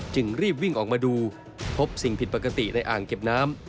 จึงรีบวิ่งออกมาดูพบสิ่งผิดปกติในอ่างเก็บน้ำ